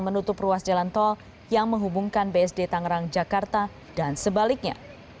menutup ruas jalan tol yang menghubungkan bsd tangerang jakarta dan sebaliknya